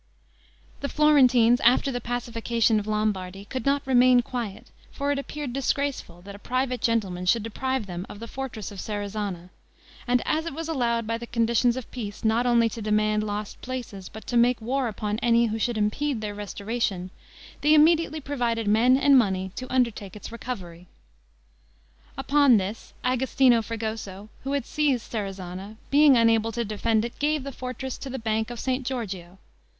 The Florentines, after the pacification of Lombardy, could not remain quiet; for it appeared disgraceful that a private gentleman should deprive them of the fortress of Serezana; and as it was allowed by the conditions of peace, not only to demand lost places, but to make war upon any who should impede their restoration, they immediately provided men and money to undertake its recovery. Upon this, Agostino Fregoso, who had seized Serezana, being unable to defend it, gave the fortress to the Bank of St. Giorgio.